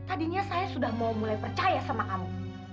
tadinya saya sudah mau mulai percaya sama kamu